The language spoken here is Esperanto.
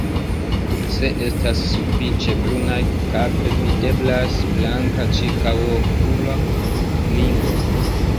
Se estas sufiĉe brunaj kape, videblas blanka ĉirkaŭokula ringo.